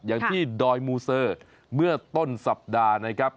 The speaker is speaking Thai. อย่างที่ดอยมูเซอร์เมื่อต้นสัปดาห์นะครับ